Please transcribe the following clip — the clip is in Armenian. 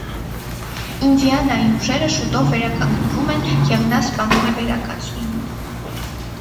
Ինդիանայի ուժերը շուտով վերականգնվում են և նա սպանում է վերակացուին։